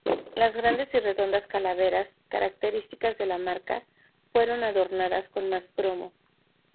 Las grandes y redondas calaveras, características de la marca, fueron adornadas con más cromo.